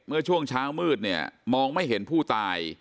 เมื่อช่วงเช้ามืดเนี่ยมองไม่เห็นผู้ตาย